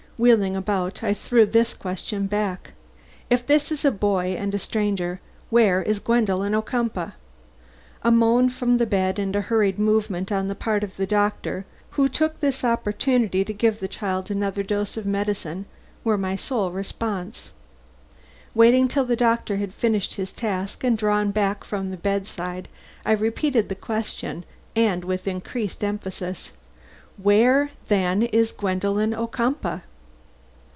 Wheeling about, I threw this question back: "If that is a boy and a stranger, where is Gwendolen Ocumpaugh?" A moan from the bed and a hurried movement on the part of the doctor, who took this opportunity to give the child another dose of medicine, were my sole response. Waiting till the doctor had finished his task and drawn back from the bedside, I repeated the question and with increased emphasis: "Where, then, is Gwendolen Ocumpaugh?"